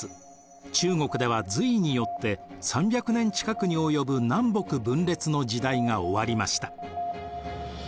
中国では隋によって３００年近くに及ぶ南北分裂の時代が終わりました。